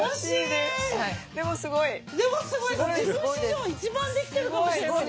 でもすごいです。